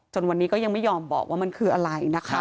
วันนี้ก็ยังไม่ยอมบอกว่ามันคืออะไรนะคะ